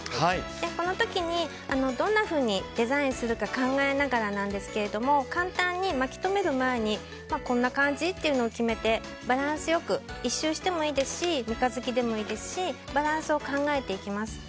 この時に、どんなふうにデザインするか考えながらなんですけど簡単に巻きとめる前にこんな感じというのを決めて、バランスよく１周してもいいですし三日月でもいいですしバランスを考えていきます。